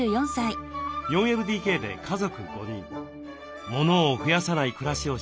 ４ＬＤＫで家族５人モノを増やさない暮らしをしています。